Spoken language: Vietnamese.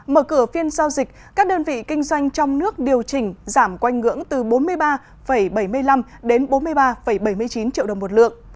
mở cửa phiên giao dịch các đơn vị kinh doanh trong nước điều chỉnh giảm quanh ngưỡng từ bốn mươi ba bảy mươi năm đến bốn mươi ba bảy mươi chín triệu đồng một lượng